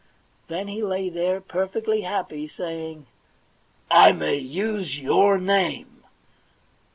Then he lay there, perfectly happy, saying :* I may use your name